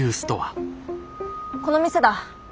この店だ。